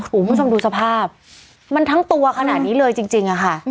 คุณผู้ชมดูสภาพมันทั้งตัวขนาดนี้เลยจริงอะค่ะ